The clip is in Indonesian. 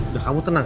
udah kamu tenang